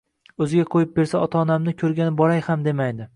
Oʻziga qoʻyib bersam, ota-onamni koʻrgani boray ham demaydi